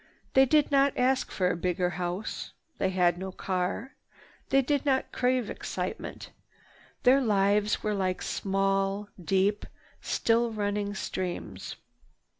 They did not ask for a bigger house. They had no car. They did not crave excitement. Their lives were like small, deep, still running streams.